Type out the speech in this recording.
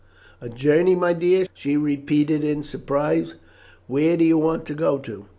"A journey, my dear!" she repeated in surprise. "Where do you want to go to?"